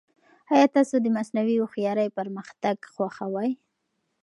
ایا تاسو د مصنوعي هوښیارۍ پرمختګ خوښوي؟